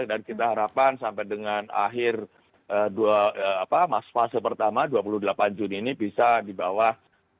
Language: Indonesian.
dan kita harapan sampai dengan akhir fase pertama dua puluh delapan juni ini bisa dibawah